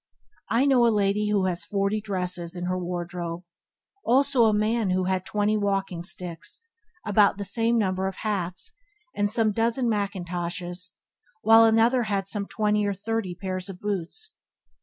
I know a lady who had forty dresses in her wardrobe; also a man who had twenty walking sticks, about the same number of hats, and some dozen mackintoshes; while another had some twenty or thirty pairs of boots.